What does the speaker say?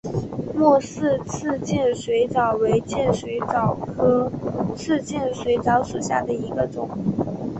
莫氏刺剑水蚤为剑水蚤科刺剑水蚤属下的一个种。